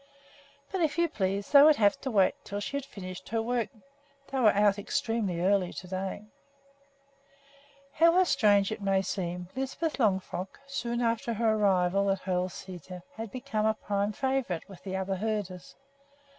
But, if you please, they would have to wait until she had finished her work. They were out extremely early to day! However strange it may seem, Lisbeth Longfrock, soon after her arrival at Hoel Sæter, had become a prime favorite with the other herders.